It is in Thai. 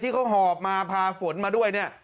ที่เค้าหอบมาพาฝนมาด้วยเนี่ย